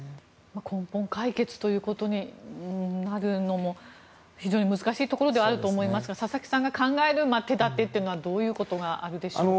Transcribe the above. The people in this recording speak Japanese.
根本解決ということになるのも非常に難しいところではあると思いますが佐々木さんが考える手立てはどういうことがあるでしょうか。